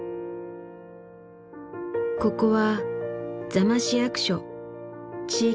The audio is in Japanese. ここは座間市役所地域福祉課。